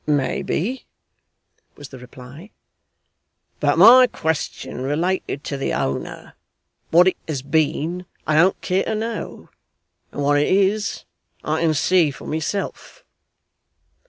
'Maybe,' was the reply. 'But my question related to the owner. What it has been I don't care to know, and what it is I can see for myself.